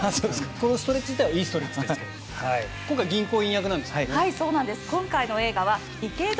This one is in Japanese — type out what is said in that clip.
このストレッチ自体はいいストレッチなんですけど。